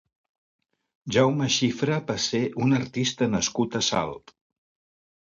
Jauma xifra va ser un artista nascut a Salt.